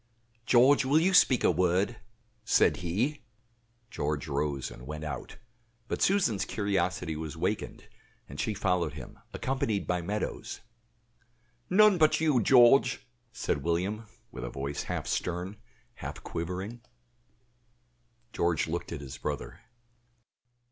"George, will you speak a word?" said he. George rose and went out; but Susan's curiosity was wakened, and she followed him, accompanied by Meadows. "None but you, George," said William, with a voice half stern, half quivering. George looked at his brother.